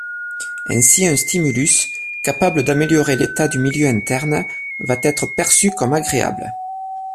Ainsi un stimulus, capable d'améliorer l'état du milieu interne, va être perçu comme agréable.